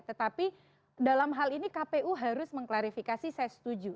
tetapi dalam hal ini kpu harus mengklarifikasi saya setuju